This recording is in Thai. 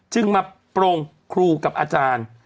จึงมาโปรงครูกับอาจารย์